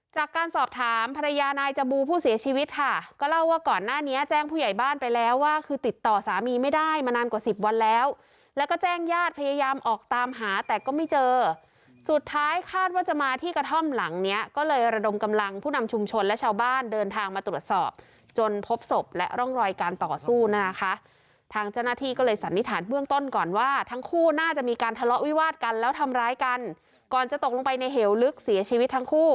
จากการสอบถามภรรยานายจบูผู้เสียชีวิตค่ะก็เล่าว่าก่อนหน้านี้แจ้งผู้ใหญ่บ้านไปแล้วว่าคือติดต่อสามีไม่ได้มานานกว่าสิบวันแล้วแล้วก็แจ้งญาติพยายามออกตามหาแต่ก็ไม่เจอสุดท้ายคาดว่าจะมาที่กระท่อมหลังเนี้ยก็เลยระดมกำลังผู้นำชุมชนและชาวบ้านเดินทางมาตรวจสอบจนพบศพและร่องรอยการต่